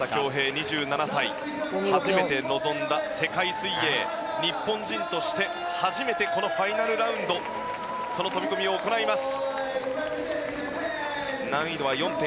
２７歳初めて臨んだ世界水泳日本人として初めてこのファイナルラウンドその飛び込みを行います